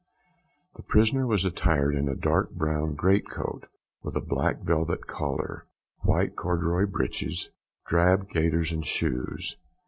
The prisoner was attired in a dark brown great coat, with a black velvet collar, white corduroy breeches, drab gaiters and shoes.